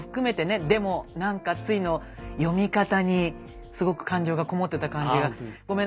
「でもなんかつい」の詠み方にすごく感情が籠もってた感じが。